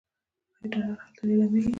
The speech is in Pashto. آیا ډالر هلته لیلامیږي؟